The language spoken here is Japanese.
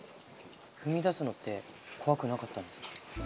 踏み出すのって怖くなかったんですか？